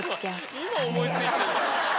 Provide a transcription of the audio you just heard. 今思い付いてる。